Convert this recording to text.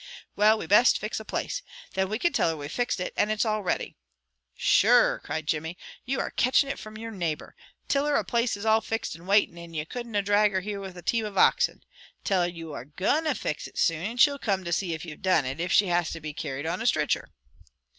"Well, we best fix a place. Then we can tell her we fixed it, and it's all ready." "Sure!" cried Jimmy. "You are catchin' it from your neighbor. Till her a place is all fixed and watin', and you couldn't drag her here with a team of oxen. Till her you are GOING to fix it soon, and she'll come to see if you've done it, if she has to be carried on a stritcher."